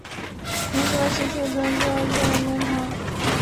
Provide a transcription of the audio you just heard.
名字为斜体的球员在最佳球队名单公布之后入选了名人堂。